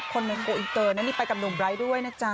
คนในโกอินเตอร์นะนี่ไปกับหนุ่มไบร์ทด้วยนะจ๊ะ